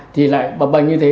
thì lại bập bành như thế